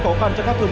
đóng lạnh bất thường